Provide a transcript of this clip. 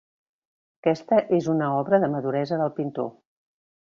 Aquesta és una obra de maduresa del pintor.